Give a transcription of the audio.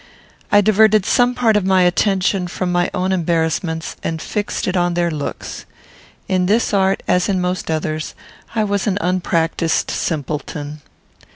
I diverted some part of my attention from my own embarrassments, and fixed it on their looks. In this art, as in most others, I was an unpractised simpleton.